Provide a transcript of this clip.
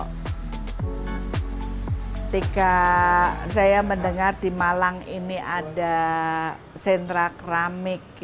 ketika saya mendengar di malang ini ada sentra keramik